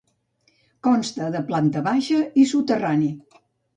Consta de planta baixa i soterrani.